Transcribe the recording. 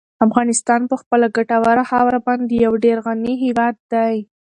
افغانستان په خپله ګټوره خاوره باندې یو ډېر غني هېواد دی.